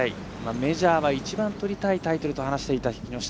メジャーは一番とりたいタイトルと話していた木下。